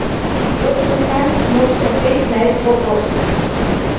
Только вы сами сможете ответить на этот вопрос.